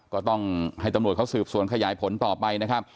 ก็ต้องให้ตำรวจเขาสืบสวนขยายผลต่อไปนะครับ